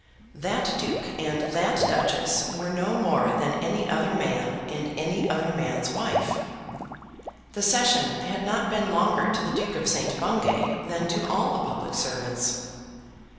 That duke and that duchess were no more than any other man and any other man's wife. The session had not been longer to the Duke of St. Bungay than to all the public servants.